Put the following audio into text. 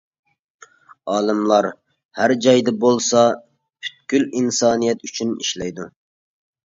ئالىملار ھەر جايدا بولسا، پۈتكۈل ئىنسانىيەت ئۈچۈن ئىشلەيدۇ.